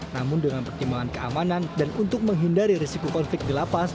namun dengan pertimbangan keamanan dan untuk menghindari risiko konflik di lapas